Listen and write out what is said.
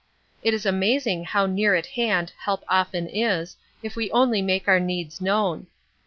It is amazing how near at hand help often is, if we only make our needs known.